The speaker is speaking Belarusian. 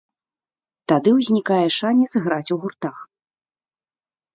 Тады ўзнікае шанец граць у гуртах.